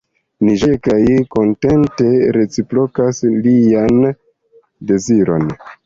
Ni ĝoje kaj kontente reciprokas lian deziron.